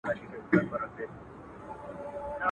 o ارزان بې علته نه وي، گران بې حکمته نه وي.